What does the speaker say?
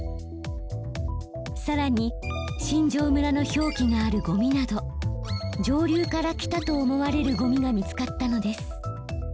さらに新庄村の表記があるゴミなど上流から来たと思われるゴミが見つかったのです。